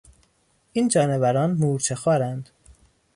این جانوران مورچه خوارند.